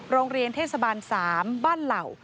โรงเรียนเทศบาล๓บ้านเหล่า